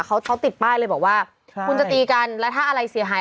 เขาเขาติดป้ายเลยบอกว่าคุณจะตีกันแล้วถ้าอะไรเสียหาย